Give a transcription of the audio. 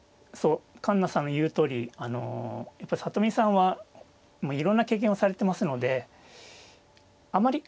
環那さんの言うとおりあのやっぱり里見さんはもういろんな経験をされてますのであまり